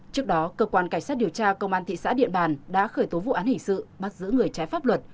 trước đó cơ quan cảnh sát điều tra công an thị xã điện bàn đã khởi tố vụ án hình sự bắt giữ người trái pháp luật